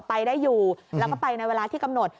ไปได้อยู่แล้วก็ไปในเวลาที่กำหนด